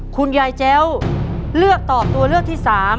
คุณยายแจ้วเลือกตอบตัวเลือกที่๓